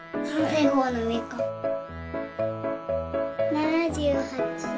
７８。